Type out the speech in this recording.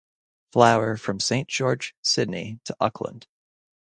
Flower from St George (Sydney) to Auckland.